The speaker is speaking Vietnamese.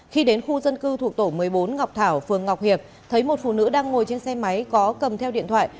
khi đến khu dân cư thuộc tổ một mươi bốn ngọc thảo phường ngọc hiệp thấy một phụ nữ đang ngồi trên xe máy có cầm theo điện thoại